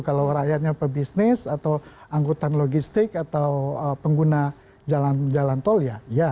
kalau rakyatnya pebisnis atau anggota logistik atau pengguna jalan jalan tol ya ya